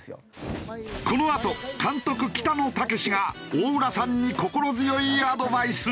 このあと監督北野武が大浦さんに心強いアドバイス！